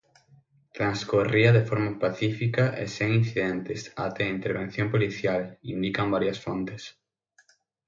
Transcorría de forma pacífica e sen incidentes até a intervención policial, indican varias fontes.